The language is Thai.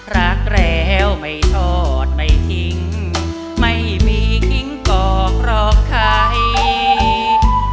รักแล้วไม่ทอดไม่ทิ้งไม่มีทิ้งกอกหรอกใคร